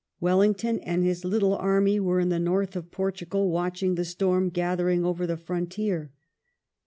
Wellington and his little army were in the north of Portugal watching the storm gathering over the frontier.